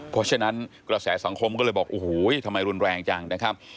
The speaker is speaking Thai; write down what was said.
เพราะฉะนั้นกระแสสังคมก็เลยบอกโอ้โหทำไมรุนแรงจังนะครับ